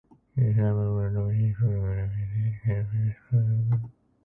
This album was nominated for the Grammies in the category "Best Latin Rock Album".